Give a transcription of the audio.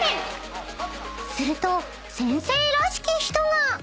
［すると先生らしき人が］